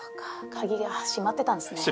鍵が閉まってたんですねこれ。